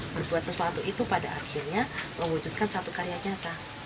berbuat sesuatu itu pada akhirnya mewujudkan satu karya nyata